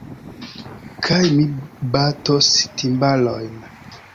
Kaj mi batos timbalojn.